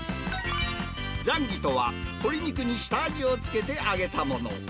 ザンギとは、鶏肉に下味をつけて揚げたもの。